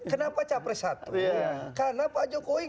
kenapa capres satu karena pak jokowi